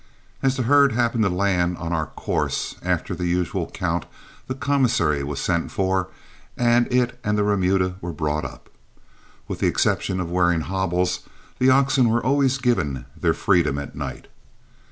As the herd happened to land on our course, after the usual count the commissary was sent for, and it and the remuda were brought up. With the exception of wearing hobbles, the oxen were always given their freedom at night.